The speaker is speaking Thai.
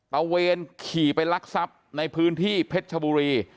ตะเวนขี่ไปรักทรัพย์ในพื้นที่เพชรชบุรี